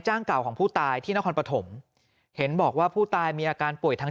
เก่าของผู้ตายที่นครปฐมเห็นบอกว่าผู้ตายมีอาการป่วยทาง